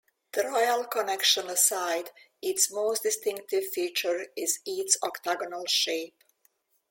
The royal connection aside, its most distinctive feature is its octagonal shape.